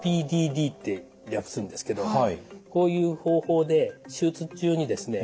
ＰＤＤって略すんですけどこういう方法で手術中にですね